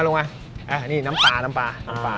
ลงมาน้ำปลา